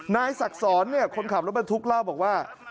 นายศักดิ์สอนเนี่ยคนขับรถประทุกข์เล่าบอกว่า